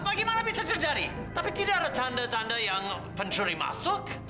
bagaimana bisa dicari tapi tidak ada tanda tanda yang pencuri masuk